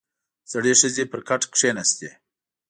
• زړې ښځې پر کټ کښېناستې.